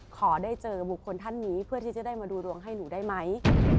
ขอได้เจอบุคคลท่านนี้เพื่อที่จะได้มาดูดวงให้หนูได้ไหม